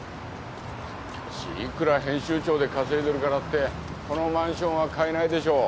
しかしいくら編集長で稼いでるからってこのマンションは買えないでしょう。